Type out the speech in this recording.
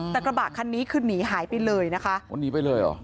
แต่กระบะคันนี้คือหนีหายไปเลยนะคะโอ้หนีไปเลยเหรอ